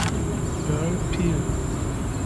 Earl Peel.